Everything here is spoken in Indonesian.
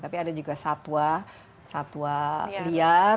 tapi ada juga satwa satwa liar